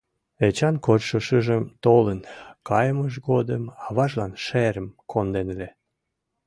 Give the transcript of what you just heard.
Эчан кодшо шыжым толын кайымыж годым аважлан шерым конден ыле.